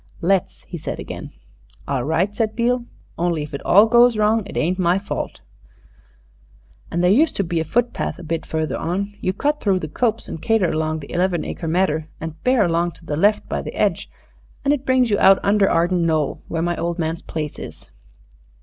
"Let's," he said again. "All right," said Beale, "only if it all goes wrong it ain't my fault an' there used to be a foot path a bit further on. You cut through the copse and cater across the eleven acre medder, and bear along to the left by the hedge an' it brings you out under Arden Knoll, where my old man's place is."